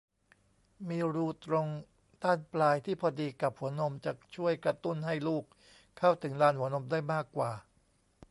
มีรูตรงด้านปลายที่พอดีกับหัวนม จะช่วยกระตุ้นให้ลูกเข้าถึงลานหัวนมได้มากกว่า